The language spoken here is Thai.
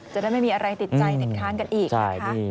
จะได้ไม่มีอะไรติดใจด้วยอีก